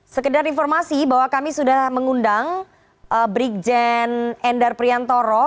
sekedar informasi bahwa kami sudah mengundang brigjen endar priantoro